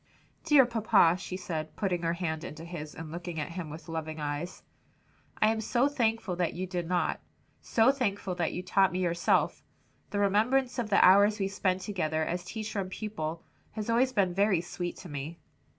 "Dear papa," she said, putting her hand into his and looking at him with loving eyes, "I am so thankful to you that you did not; so thankful that you taught me yourself. The remembrance of the hours we spent together as teacher and pupil, has always been very sweet to me."